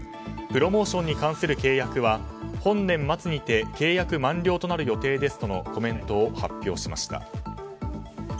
プロモーションに関する契約は本年末にて契約満了となる予定ですとのコメントを発表しました。